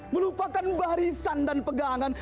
melupakan barisan dan pegangan